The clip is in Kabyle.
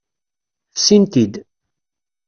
Fsin-t-id.